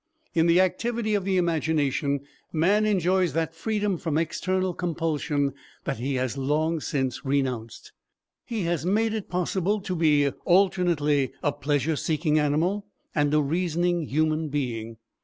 In the activity of the imagination, man enjoys that freedom from external compulsion that he has long since renounced. He has made it possible to be alternately a pleasure seeking animal and a reasoning human being.